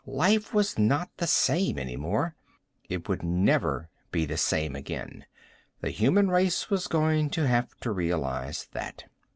Life was not the same, anymore. It would never be the same again. The human race was going to have to realize that.